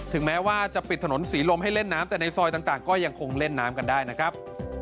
แม้ว่าจะปิดถนนศรีลมให้เล่นน้ำแต่ในซอยต่างก็ยังคงเล่นน้ำกันได้นะครับ